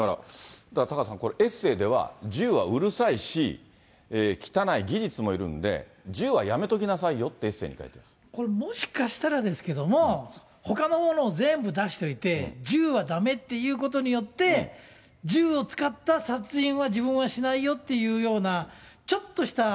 だからタカさん、エッセーでは、銃はうるさいし、汚い、技術もいるんで、銃はやめときなさいよって、これ、もしかしたらですけども、ほかのものを全部出しといて、銃はだめって言うことによって、銃を使った殺人は自分はしないよっていうような、逆振り。